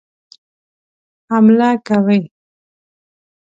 حمله کوي.